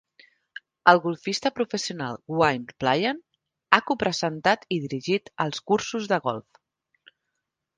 El golfista professional Wayne Player ha co-presentat i dirigit els cursos de golf.